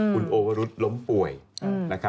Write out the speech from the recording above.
คุณโอวรุธล้มป่วยนะครับ